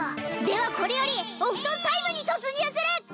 ではこれよりお布団タイムに突入する！